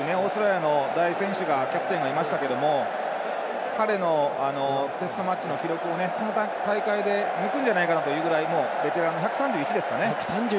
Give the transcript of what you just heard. オーストラリアの大選手がいましたけれども彼のテストマッチの記録を大会で抜くんじゃないかというベテランの１３１ですかね。